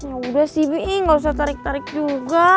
yaudah sih bi gak usah tarik tarik juga